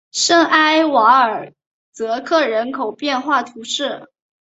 圣埃瓦尔泽克人口变化图示